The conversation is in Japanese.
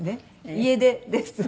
家出です。